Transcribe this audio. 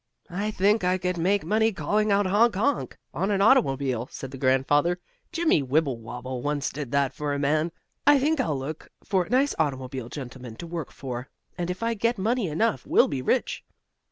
"I think I could make money calling out 'honk honk!' on an automobile," said the grandfather. "Jimmie Wibblewobble once did that for a man. I think I'll look for a nice automobile gentleman to work for, and if I get money enough we'll be rich."